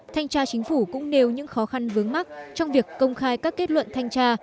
thanh tra chính phủ cũng nêu những khó khăn vướng mắt trong việc công khai các kết luận thanh tra